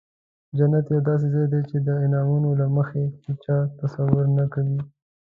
جنت یو داسې ځای دی چې د انعامونو له مخې هیچا تصور نه کوي.